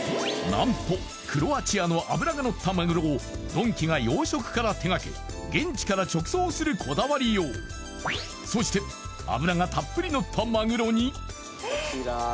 何とクロアチアの脂がのったマグロをドンキが養殖から手がけ現地から直送するこだわりようそして脂がたっぷりのったマグロにえ